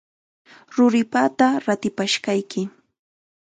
Ruripata ratipashqayki.